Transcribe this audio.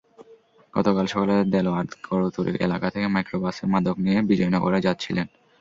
গতকাল সকালে দেলোয়ার কৌড়তলী এলাকা থেকে মাইক্রোবাসে মাদক নিয়ে বিজয়নগরে যাচ্ছিলেন।